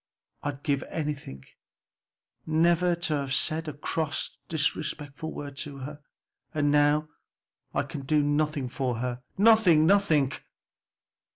I'd give anything never to have said a cross or disrespectful word to her. And now I can do nothing for her! nothing, nothing!"